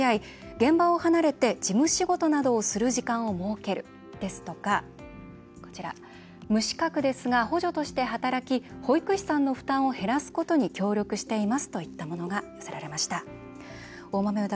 現場を離れて事務仕事などをする時間を設ける」ですとか「無資格ですが、補助として働き保育士さんの負担を減らすことに協力しています」といったものが寄せられました。